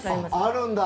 あるんだ。